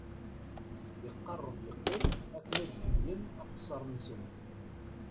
Iqerreb yeqqim akken ad kemmlen aqessar-nsen.